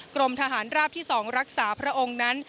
กรมทหารราบที่๒รักษาพระองค์นั้น